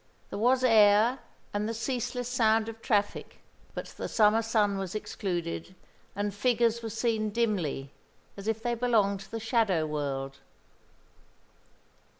There was air, and the ceaseless sound of traffic; but the summer sun was excluded, and figures were seen dimly, as if they belonged to the shadow world.